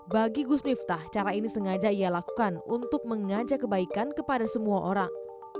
bagi gus miftah cara ini sengaja ia lakukan untuk mengajak kebaikan kepada semua orang